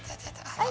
はい。